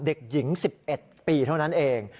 เด็กหญิง๑๑ปีเท่านั้นเอง